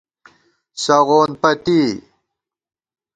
سغون پتی